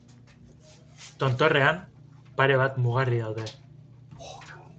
Tontorrean, pare bat mugarri daude.